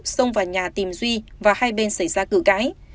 xông vào nhà tìm duy và hai bên xảy ra cử cái